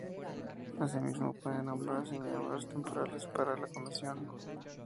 Asimismo pueden nombrarse miembros temporales para la Comisión.